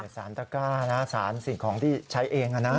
ศาลตะก้าศาลสิ่งของที่ใช้เองอ่ะนะ